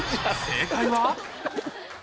正解は。